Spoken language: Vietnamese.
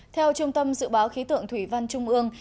theo trung tâm dự báo khí tượng thủy văn trung ương